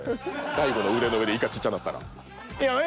大悟の腕の上でイカちっちゃなったら。